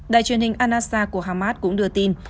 đài truyền hình anasar của hamas cũng đưa tin